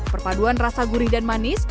perpaduan rasa gurih dan manis